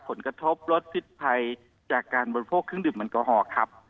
ผลกระทบลดพิษภัยจากการบริโภคเครื่องดื่มแอลกอฮอล์ครับ